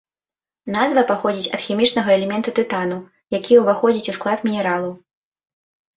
Назва паходзіць ад хімічнага элемента тытану, які ўваходзіць у склад мінералу.